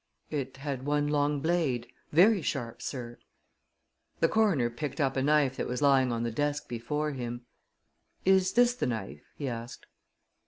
"It had one long blade, very sharp, sir." The coroner picked up a knife that was lying on the desk before him. "Is this the knife?" he asked.